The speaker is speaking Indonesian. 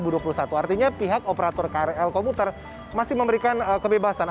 artinya pihak operator krl komuter masih memberikan kebebasan